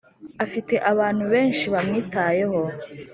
Afite abantu benshi bamwitayeho